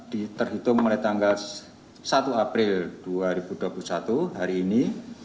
diterhitung mulai tanggal satu april dua ribu dua puluh satu hari ini